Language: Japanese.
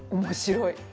面白い。